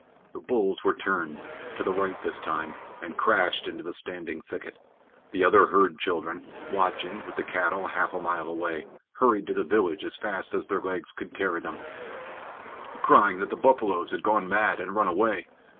The bulls were turned, to the right this time, and crashed into the standing thicket. The other herd children, watching with the cattle half a mile away, hurried to the village as fast as their legs could carry them, crying that the buffaloes had gone mad and run away.